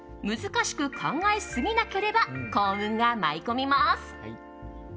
難しく考えすぎなければ幸運が舞い込みます。